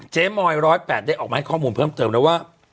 มอย๑๐๘ได้ออกมาให้ข้อมูลเพิ่มเติมแล้วว่า